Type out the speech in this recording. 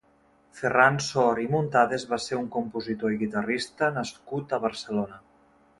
Ferran Sor i Muntades va ser un compositor i guitarrista nascut a Barcelona.